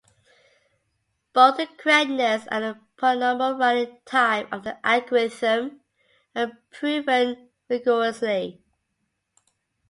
Both the correctness and the polynomial running time of the algorithm are proven rigorously.